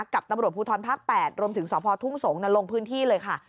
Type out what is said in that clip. กับตำรวจภูทรภาค๘รวมถึงสพทุ่งสงศ์ลงพื้นที่เลยค่ะ